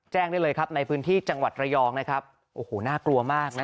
ได้เลยครับในพื้นที่จังหวัดระยองนะครับโอ้โหน่ากลัวมากนะ